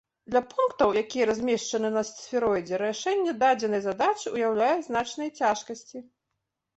Для пунктаў, якія размешчаны на сфероідзе, рашэнне дадзенай задачы ўяўляе значныя цяжкасці.